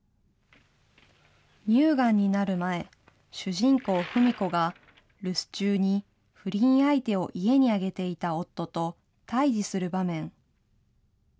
乳がんになる前、主人公、ふみ子が、留守中に不倫相手を家に上げていた夫と、対じする場面。